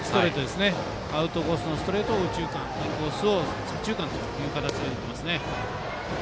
アウトコースのストレートを右中間、インコースを左中間という形で打っています。